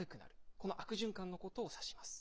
この悪循環のことを指します。